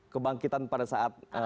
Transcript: kebangkitan pada saat